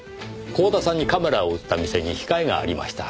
光田さんにカメラを売った店に控えがありました。